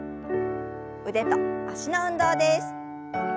腕と脚の運動です。